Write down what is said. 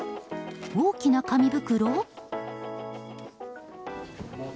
大きな紙袋？